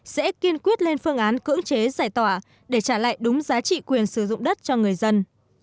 sẽ kiên quyết lên phương án cưỡng chế giải tỏa để trả lại đúng giá trị quyền sử dụng đất cho người dân